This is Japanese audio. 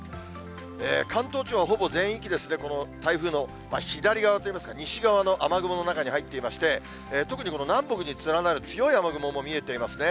関東地方はほぼ全域、台風の左側といいますか、西側の雨雲の中に入っていまして、特にこの南北に連なる強い雨雲も見えていますね。